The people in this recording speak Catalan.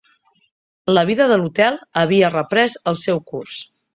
La vida de l'hotel havia reprès el seu curs.